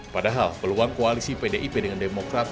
padahal peluang koalisi pdip dengan demokrat